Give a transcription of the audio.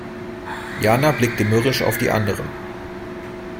Jana blickte mürrisch auf die anderen.